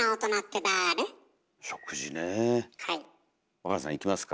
若菜さんいきますか。